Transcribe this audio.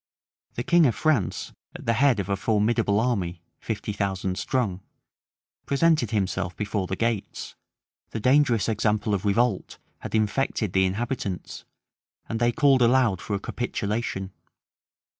The king of France, at the head of a formidable army, fifty thousand strong, presented himself before the gates: the dangerous example of revolt had infected the inhabitants; and they called aloud for a capitulation.